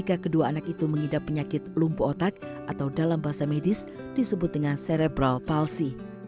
maka mereka harus mengidap penyakit lumpuh otak atau dalam bahasa medis disebut dengan cerebral palsy